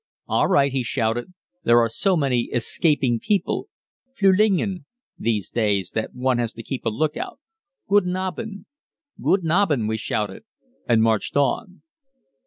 "All right," he shouted, "there are so many escaping people (Flülingen) these days that one has to keep a lookout. Guten Abend." "Guten Abend," we shouted, and marched on.